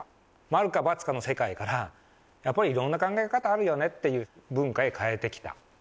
〇か×かの世界から、やっぱりいろんな考え方あるよねという文化へ変えてきた。